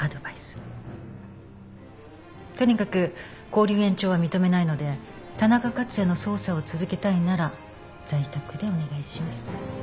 とにかく勾留延長は認めないので田中克也の捜査を続けたいなら在宅でお願いします。